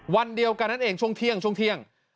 วันเดียวกันนั่นเองช่วงเที่ยง